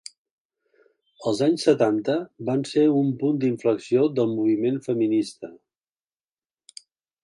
Els anys setanta van ser un punt d’inflexió del moviment feminista.